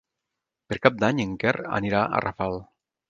Per Cap d'Any en Quer anirà a Rafal.